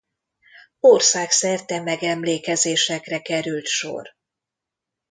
Országszerte megemlékezésekre került sor.